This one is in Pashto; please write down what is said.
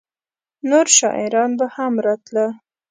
نور شاعران به هم راتله؟